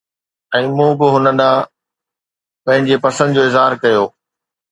۽ مون به هن ڏانهن پنهنجي پسند جو اظهار ڪيو